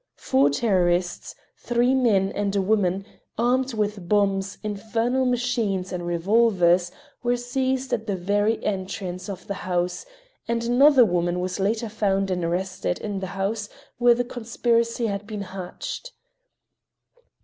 Four terrorists, three men and a woman, armed with bombs, infernal machines and revolvers, were seized at the very entrance of the house, and another woman was later found and arrested in the house where the conspiracy had been hatched.